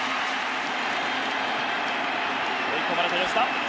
追い込まれた吉田。